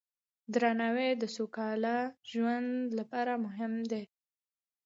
درناوی د سوکاله ژوند لپاره مهم دی.